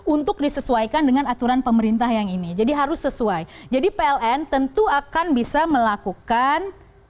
untuk disesuaikan dengan aturan pemerintah yang ini jadi harus sesuai jadi pln tentu akan bisa melakukan